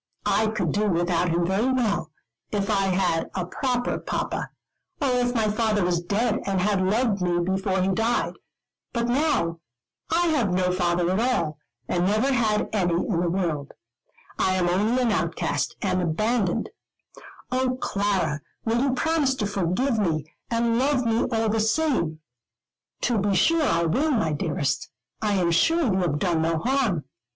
I could do without him very well, if I had a proper papa, or if my father was dead and had loved me before he died; but now I have no father at all, and never had any in the world; I am only an outcast, an abandoned Oh, Clara, will you promise to forgive me, and love me all the same?" "To be sure I will, my dearest. I am sure, you have done no harm.